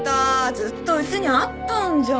ずっとうちにあったんじゃん。